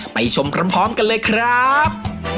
ไปชมพร้อมกันเลยครับ